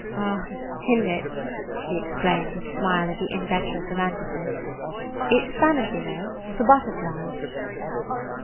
"Ah, is n't it!" she exclaimed, with the smile of the inveterate romanticist. "It 's Spanish, you know, for butterfly."